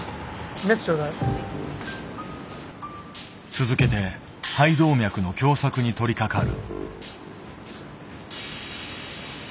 続けて肺動脈の狭さくに取りかかる。